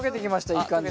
いい感じに。